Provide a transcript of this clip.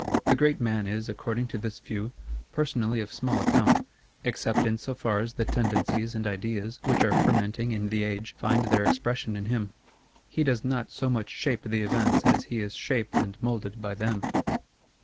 The great man is, according to this view, personally of small account, except in so far as the tendencies and ideas which are fermenting in the age find their expression in him. He does not so much shape the events as he is shaped and moulded by them.